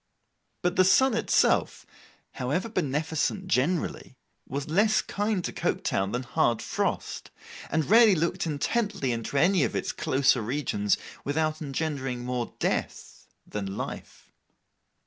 But the sun itself, however beneficent, generally, was less kind to Coketown than hard frost, and rarely looked intently into any of its closer regions without engendering more death than life.